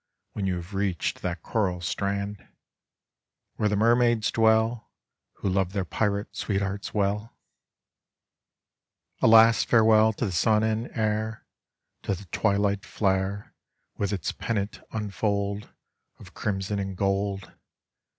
hen you have reached that coral strand, TOiere the nsraaids dwell, ?ho love their pirate sweethearts well? A last farewell to the sun and air, To the twilight flare Tftth its pennant unfold Of criuson and gold!